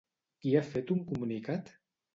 Qui ha fet un comunicat?